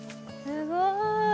すごい。